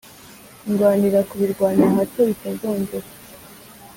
Ndwanira kubirwanya hato bitazongera,